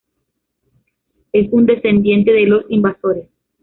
Es un descendiente de los invasores